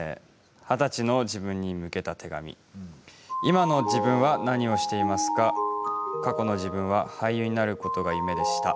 二十歳の自分に向けた手紙今の自分は何をしていますか過去の自分は俳優になることが夢でした。